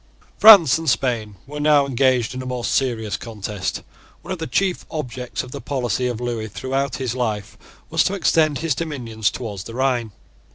France and Spain were now engaged in a more serious contest. One of the chief objects of the policy of Lewis throughout his life was to extend his dominions towards the Rhine.